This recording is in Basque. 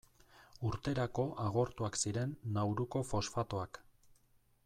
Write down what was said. Urterako agortuak ziren Nauruko fosfatoak.